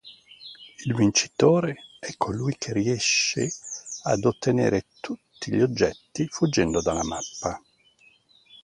Il vincitore è colui che riesce ad ottenere tutti gli oggetti fuggendo dalla mappa.